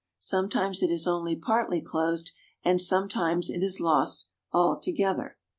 Sometimes it is only partly closed, and sometimes it is lost altogether.